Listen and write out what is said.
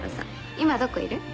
今どこいる？